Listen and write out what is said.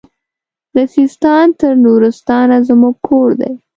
له سیستان تر نورستانه زموږ کور دی